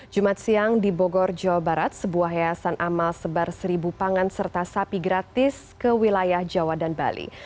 jumat siang di bogor jawa barat sebuah yayasan amal sebar seribu pangan serta sapi gratis ke wilayah jawa dan bali